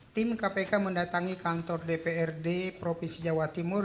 tim kpk mendatangi kantor dprd provinsi jawa timur